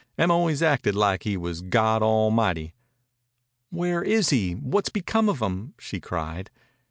Em always acted like he was God Almighty." "Where is he? What's become of him?" she cried.